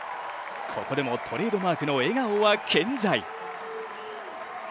ここでもトレードマークの笑顔は健在。